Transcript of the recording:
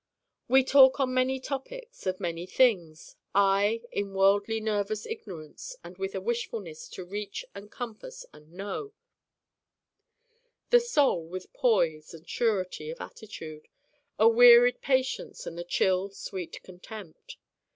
We talk on many topics, of many things: I in worldly nervous ignorance and with a wishfulness to reach and compass and know: the Soul with poise and surety of attitude, a wearied patience and the chill sweet contempt.